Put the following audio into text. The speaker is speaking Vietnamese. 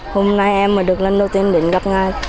hôm nay em mà được lên đầu tiên định gặp ngài